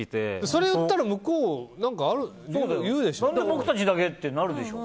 それを言ったら向こう、何か言うでしょ。